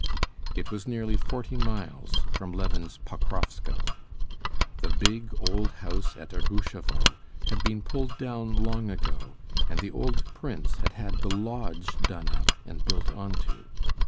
It was nearly forty miles from Levin's Pokrovskoe. The big, old house at Ergushovo had been pulled down long ago, and the old prince had had the lodge done up and built on to.